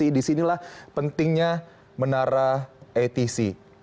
jadi disinilah pentingnya menara atc